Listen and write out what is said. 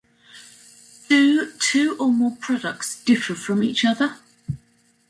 Do two or more products differ from each other?